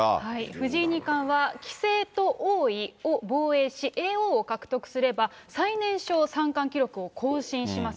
藤井二冠は、棋聖と王位を防衛し、叡王を獲得すれば、最年少三冠記録を更新します。